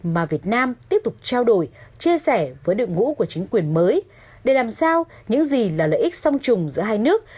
mà việt nam tiếp tục trao đổi chia sẻ với đội ngũ của chính quyền mới để làm sao những gì là lợi ích song trùng giữa hai nước